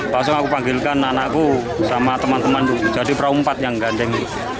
langsung aku panggilkan anakku sama teman teman jadi perahu empat yang gandeng